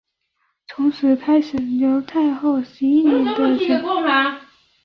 从此开始刘太后十一年的垂帘听政时代。